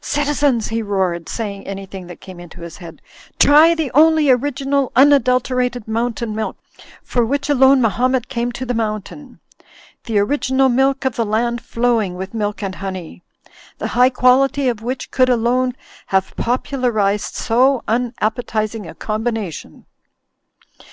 "Citizens," he roared, saying anything that came into his head, "try the only original unadulterated Moimtain Milk, for which alone Mahomet came to the mountain. The original milk of the land flowing with milk and honey; the high quality of which could alone have popularised so unappetising a combination.